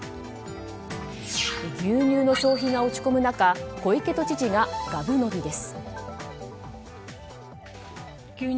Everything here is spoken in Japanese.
牛乳の消費が落ち込む中小池都知事ががぶ飲みです。